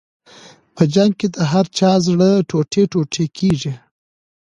په جنګ کې د هر چا زړه ټوټې ټوټې کېږي.